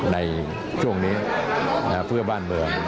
ในช่วงนี้เพื่อบ้านเมือง